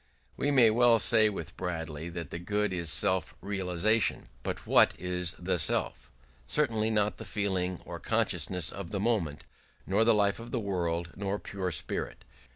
We may well say with Bradley that the good is self realisation; but what is the self? Certainly not the feeling or consciousness of the moment, nor the life of the world, nor pure spirit.